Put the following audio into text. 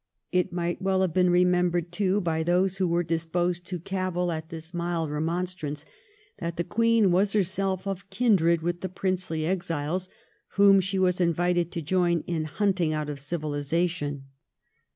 It might well have been remembered, too, by those who were disposed to cavil at this mild remonstrance, that the Queen was herself of kindred with the princely exiles whom she was invited to join in hunting out of civilisation.